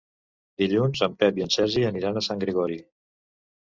Dilluns en Pep i en Sergi aniran a Sant Gregori.